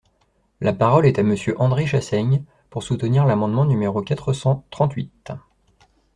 La parole est à Monsieur André Chassaigne, pour soutenir l’amendement numéro quatre cent trente-huit.